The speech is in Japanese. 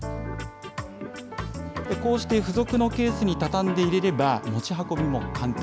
こうして付属のケースに畳んで入れれば、持ち運びも簡単。